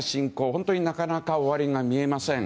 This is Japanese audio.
本当になかなか終わりが見えません。